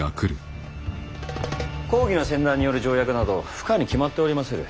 公儀の専断による条約など不可に決まっておりまする。